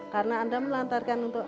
karena anda melantarkan untuk